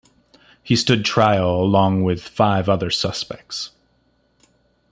He stood trial along with five other suspects.